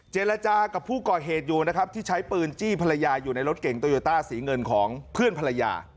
เจรจากับผู้ก่อเหตุอยู่นะครับที่ใช้ปืนจี้ภรรยาอยู่ในรถเก่งโตโยต้าสีเงินของเพื่อนภรรยา